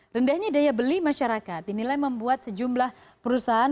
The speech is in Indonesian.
rendahnya daya beli masyarakat dinilai membuat sejumlah perusahaan